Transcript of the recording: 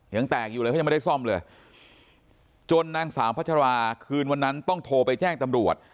ยังแตกอยู่เลยเขายังไม่ได้ซ่อมเลยจนนางสาวพัชราคืนวันนั้นต้องโทรไปแจ้งตำรวจ